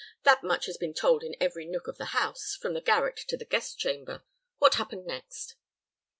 That much has been told in every nook of the house, from the garret to the guest chamber. What happened next?"